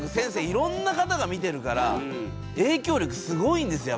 いろんな方が見てるから影響力すごいんですよ